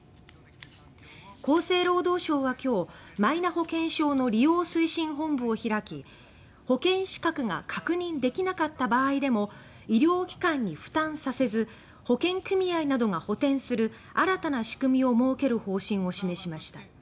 厚生労働省は今日マイナ保険証の「利用推進本部」を開き保険資格が確認出来なかった場合でも医療機関に負担させず健康組合などが補填する新たな仕組みを設ける方針を示しました。